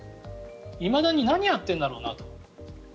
いまだに何やってんだろうなと。